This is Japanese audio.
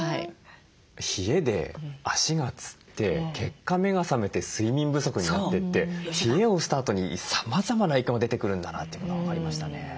冷えで足がつって結果目が覚めて睡眠不足になってって冷えをスタートにさまざまな影響が出てくるんだなというのが分かりましたね。